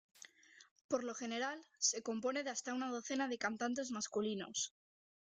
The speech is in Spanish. Por lo general, se compone de hasta una docena de cantantes masculinos.